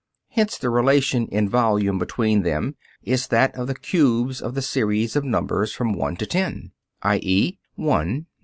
Hence the relation in volume between them is that of the cubes of the series of numbers from one to ten, _i.